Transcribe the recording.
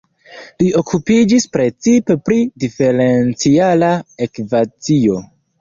Li okupiĝis precipe pri Diferenciala ekvacio.